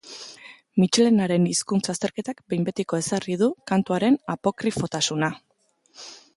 Mitxelenaren hizkuntz azterketak behin betiko ezarri du kantuaren apokrifotasuna.